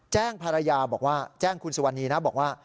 แจ้งภรรยาบอกว่าแจ้งคุณสุวรรณีนะบอกว่า